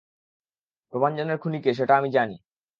প্রভাঞ্জনের খুনি কে, সেটা আমি জানি।